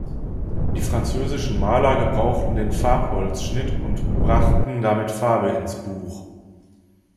Die französischen Maler gebrauchten den Farbholzschnitt und brachten damit Farbe ins Buch.